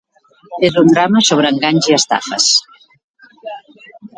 És un drama sobre enganys i estafes.